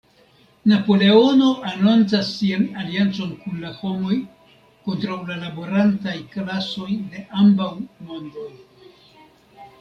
Napoleono anoncas sian aliancon kun la homoj, kontraŭ la laborantaj klasoj de ambaŭ "mondoj.